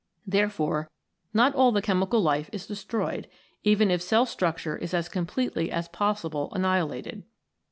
Therefore not all the Chemical 16 PROTOPLASM Life is destroyed, even if cell structure is as com pletely as possible annihilated.